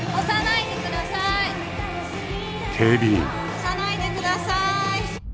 押さないでください。